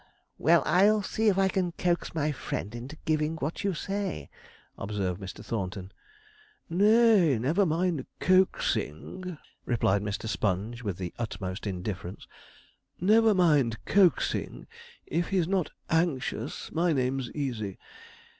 'Well, I'll see if I can coax my friend into giving what you say,' observed Mr. Thornton. 'Nay, never mind coaxing,' replied Mr. Sponge, with the utmost indifference; 'never mind coaxing; if he's not anxious, my name's "easy."